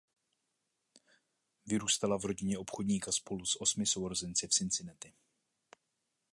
Vyrůstala v rodině obchodníka spolu s osmi sourozenci v Cincinnati.